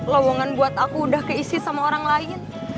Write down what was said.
lowongan buat aku udah keisi sama orang lain